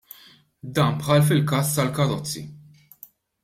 Dan bħal fil-każ tal-karozzi.